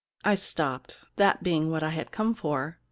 I stopped, that being what I had come for.